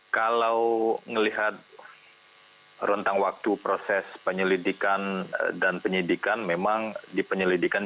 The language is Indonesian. kalau melihat rentang waktu proses penyelidikan dan penyidikan memang di penyelidikan